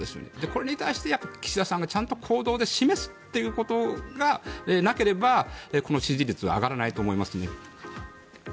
これに対して岸田さんがちゃんと行動で示すということがなければこの支持率は上がらないと思います。